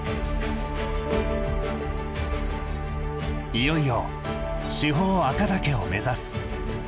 いよいよ主峰赤岳を目指す。